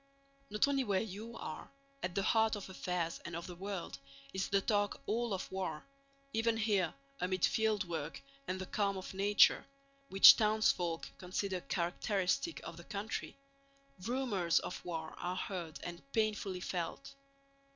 Not only where you are—at the heart of affairs and of the world—is the talk all of war, even here amid fieldwork and the calm of nature—which townsfolk consider characteristic of the country—rumors of war are heard and painfully felt.